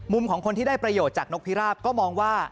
ของคนที่ได้ประโยชน์จากนกพิราบก็มองว่า